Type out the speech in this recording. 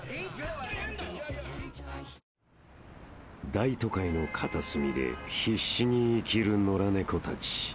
［大都会の片隅で必死に生きる野良猫たち］